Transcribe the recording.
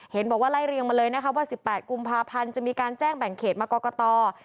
เห็นบอกว่าไล่เรียงมาเลยนะคะว่า๑๘กุมภาพันธ์จะมีการแจ้งแบ่งเขตมากรกต